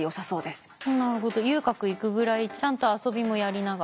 なるほど遊郭行くぐらいちゃんと遊びもやりながら。